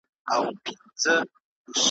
ویاله چي هر څو کاله سي وچه `